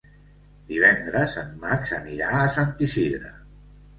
Divendres en Max anirà a Sant Isidre.